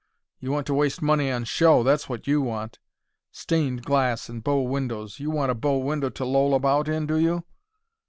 You want to waste money on show; that's what you want. Stained glass and bow windows! You want a bow window to loll about in, do you?